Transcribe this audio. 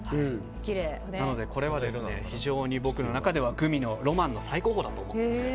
なのでこれは非常に僕の中ではグミのロマンの最高峰だと思ってます。